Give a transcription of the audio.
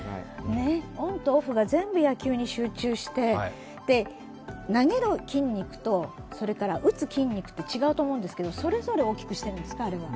オンとオフが全部野球に集中して投げる筋肉と打つ筋肉と違うと思うんですけどそれぞれ大きくしているんですか、あれは。